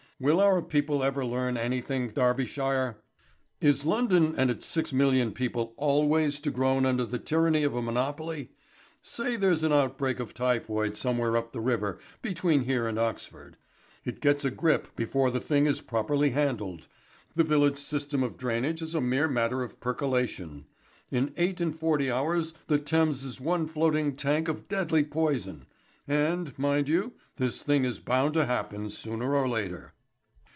Will our people ever learn anything, Darbyshire? Is London and its six million people always to groan under the tyranny of a monopoly? Say there's an outbreak of typhoid somewhere up the river between here and Oxford. It gets a grip before the thing is properly handled, the village system of drainage is a mere matter of percolation. In eight and forty hours the Thames is one floating tank of deadly poison. And, mind you, this thing is bound to happen sooner or later."